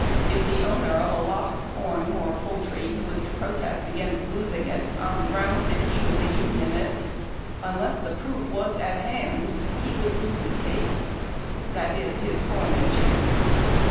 If the owner of a lot of corn or poultry was to protest against losing it, on the ground that he was a Unionist, unless the proof was at hand, he would lose his case — that is, his corn and chickens.